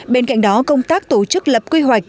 bên cạnh đó công tác tổ chức lập quy hoạch